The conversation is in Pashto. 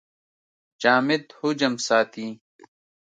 جامد حجم ساتي.